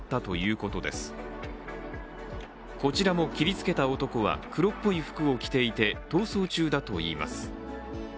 こちらも切りつけた男は黒っぽい服を着ていて逃走中だといいます。